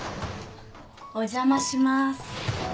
お邪魔します。